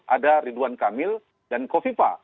ada ridwan kamil dan kofifa